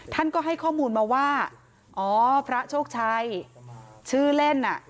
ท่านก็ให้ข้อมูลมาว่าอ๋อพระโชคชัยชื่อเล่นอ่ะ